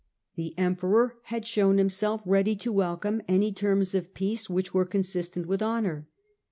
The Emperor had shown himself ready to welcome any terms of peace which were consistent with honour.